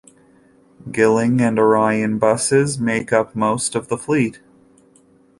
Gillig and Orion buses make up most of the fleet.